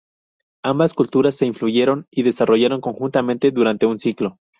Ambas culturas se influyeron y desarrollaron conjuntamente durante un siglo.